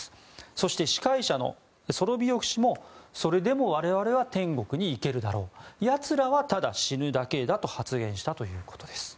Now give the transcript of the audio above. そして、司会者のソロビヨフ氏もそれでも我々は天国に行けるだろうやつらはただ死ぬだけだと発言したということです。